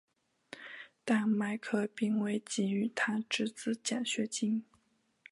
但麦克并未给予他侄子奖学金。